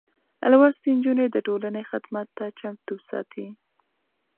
لوستې نجونې د ټولنې خدمت ته چمتو ساتي.